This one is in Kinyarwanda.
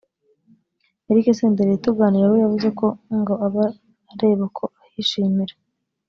Eric Senderi tuganira we yavuze ko ngo aba areba ko ahishimira